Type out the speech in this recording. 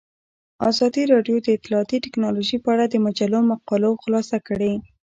ازادي راډیو د اطلاعاتی تکنالوژي په اړه د مجلو مقالو خلاصه کړې.